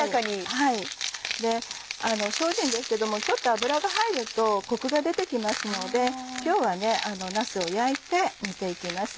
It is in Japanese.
はいで精進ですけどもちょっと油が入るとコクが出て来ますので今日はなすを焼いて煮て行きます。